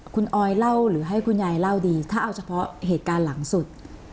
คุณออยเล่าหรือให้คุณยายเล่าดีถ้าเอาเฉพาะเหตุการณ์หลังสุด